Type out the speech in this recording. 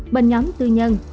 bên nhóm tư nhân